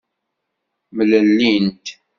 Mlellint.